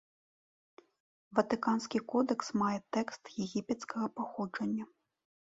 Ватыканскі кодэкс мае тэкст егіпецкага паходжання.